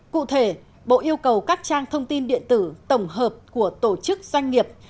cụ thể bộ yêu cầu các trang thông tin điện tử tổng hợp của tổ chức doanh nghiệp